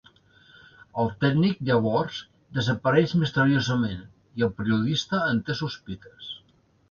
El tècnic, llavors, desapareix misteriosament, i el periodista en té sospites.